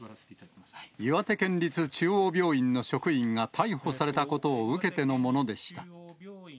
岩手県立中央病院の職員が逮捕されたことを受けてのものでした。